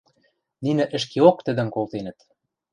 Нинӹ ӹшкеок тӹдӹм колтенӹт.